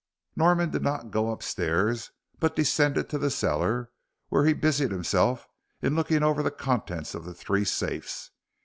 Norman did not go upstairs, but descended to the cellar, where he busied himself in looking over the contents of the three safes.